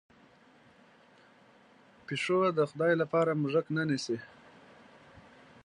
پشو د خدای لپاره موږک نه نیسي.